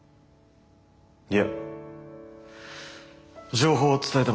いや情報を伝えたまでだ。